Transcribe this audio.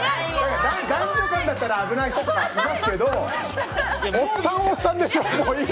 男女間だったら危ない人とかいますけどおっさん、おっさんでしょ？